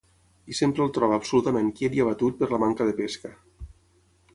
I sempre el troba absolutament quiet i abatut per la manca de pesca.